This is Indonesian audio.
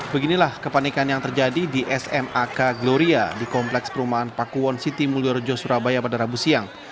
beginilah kepanikan yang terjadi di smak gloria di kompleks perumahan pakuwon city mulyorejo surabaya pada rabu siang